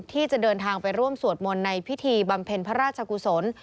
ที่จะเดินทางไปร่วมสวดมนต์ในพิธีบำเพ็ญพระราชกุศล